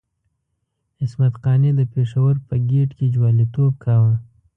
عصمت قانع د پېښور په ګېټ کې جواليتوب کاوه.